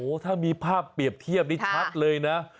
ถ้ามีภาพเปรียบเทียบนี่ชัดเลยนะ